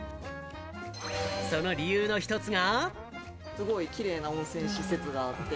その理由の一つが。